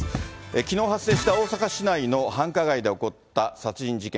きのう発生した大阪市内の繁華街で起こった殺人事件。